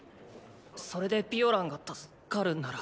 それでピオランが助かるなら。